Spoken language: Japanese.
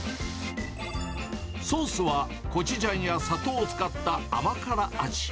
ソースはコチュジャンや砂糖を使った甘辛味。